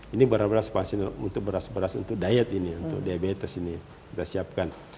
ini beras beras pasien untuk beras beras untuk diet ini untuk diabetes ini kita siapkan